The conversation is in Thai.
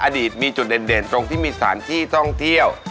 อดีตมีจุดเด่นตรงที่มีสถานที่ท่องเที่ยว